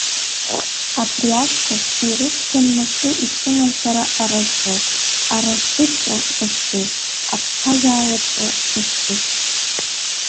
Абри ашьҭахь ирыцқьан мызкы исыман сара аразҟы, аразҟыҵәҟьа захьӡыз, аԥсҭазаараҵәҟьа захьӡыз!